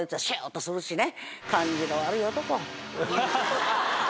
とするしね。